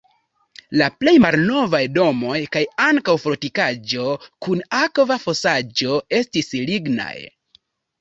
La plej malnovaj domoj kaj ankaŭ fortikaĵo kun akva fosaĵo estis lignaj.